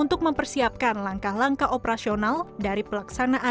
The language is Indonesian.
untuk mempersiapkan langkah langkah operasional dari pelaksanaan lintas lembaga